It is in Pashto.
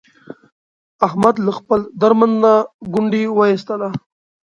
احمد له خپل درمند نه ګونډی و ایستلا.